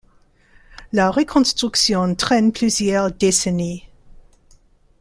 La reconstruction traîne plusieurs décennies.